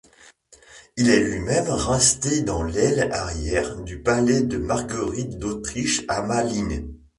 Il est lui-même resté dans l'aile arrière du palais de Marguerite d'Autriche à Malines.